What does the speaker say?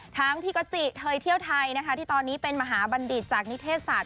พี่ก๊อจิเคยเที่ยวไทยนะคะที่ตอนนี้เป็นมหาบัณฑิตจากนิเทศศาสต